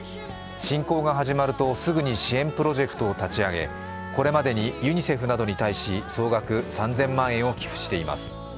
侵攻が始まるとすぐに支援プロジェクトを立ち上げ、これまでにユニセフなどに対し総額３０００万円を寄付しています。